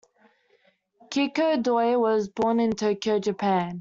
Keiko Doi was born in Tokyo, Japan.